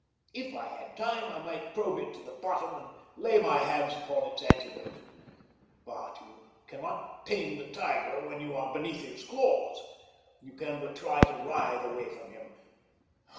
If I had time, I might probe it to the bottom and lay my hands upon its antidote. But you cannot tame the tiger when you are beneath his claws. You can but try to writhe away from him.